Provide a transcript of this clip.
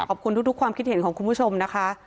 ขอบคุณทุกความคิดเห็นของคุณผู้ชมนะคะ